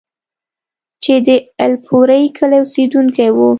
چې د الپورۍ کلي اوسيدونکی وو،